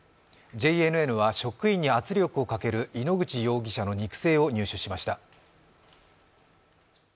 ＪＮＮは職員に圧力をかける井ノ口容疑者の肉声を入手しました。